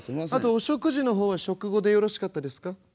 「あとお食事の方は食後でよろしかったですか？」。